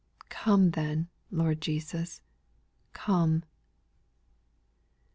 Come then. Lord Jesus, come